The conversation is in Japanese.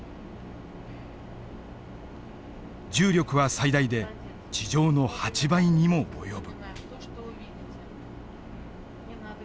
重力は最大で地上の８倍にも及ぶ。